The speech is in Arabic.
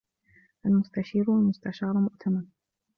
الْمُسْتَشِيرُ وَالْمُسْتَشَارُ مُؤْتَمَنٌ